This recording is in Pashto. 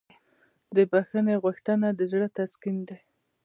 د بښنې غوښتنه د زړه تسکین دی.